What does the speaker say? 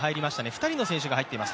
２人の選手が入っています。